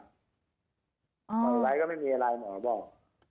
อ๋อปล่อยไว้ก็ไม่มีอะไรหมอบอก